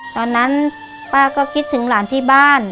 ตอนนั้นป้าก็คิดถึงหลานที่บ้าน